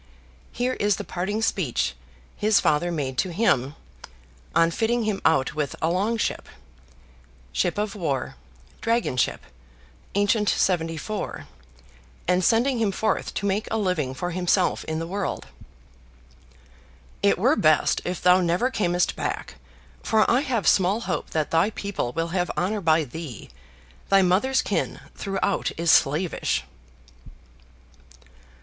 Here is the parting speech his father made to him on fitting him out with a "long ship" (ship of war, "dragon ship," ancient seventy four), and sending him forth to make a living for himself in the world: "It were best if thou never camest back, for I have small hope that thy people will have honor by thee; thy mother's kin throughout is slavish."